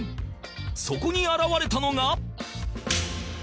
そこに現れたのが